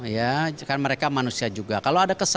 ya karena mereka manusia juga